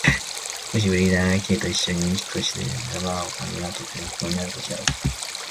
もしフリーダが Ｋ といっしょに引っ越しでもするなら、おかみはとても不幸になることだろう。